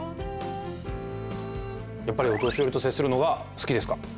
やっぱりお年寄りと接するのが好きですか？